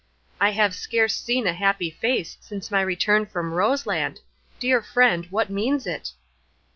I have scarce seen a happy face since my return from Rose Land; dear friend, what means it?"